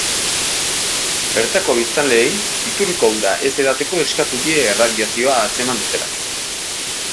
Bertako biztanleei iturrikol ura ez edateko eskatu die erradiazioa atzeman dutelako.